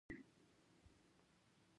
څو شېبې وروسته مې له یوه ملګري پوښتنه وکړه.